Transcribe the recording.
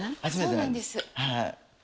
そうなんです。